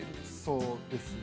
そうですね。